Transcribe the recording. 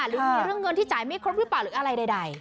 หรือมีเรื่องเงินที่จ่ายไม่ครบหรือเปล่าหรืออะไรใด